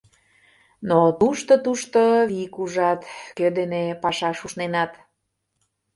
Но тушто, тушто вик ужат, кӧ дене пашаш ушненат.